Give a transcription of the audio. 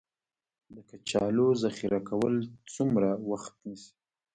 د کچالو ذخیره کول څومره وخت نیسي؟